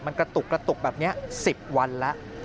มันกระตุกแบบนี้๑๐วันแล้ว